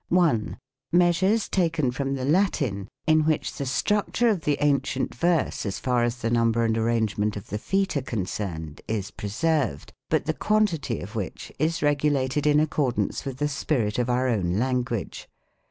1. Measures taken from the Latin, in which the structure of the ancient V^erse, as far as the number and arrangement of the feet are concerned, is preseiw ed, but the quantity of which is regulated in accor dance with the spirit of our own language.